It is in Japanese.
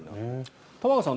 玉川さん